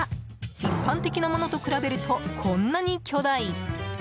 一般的なものと比べるとこんなに巨大。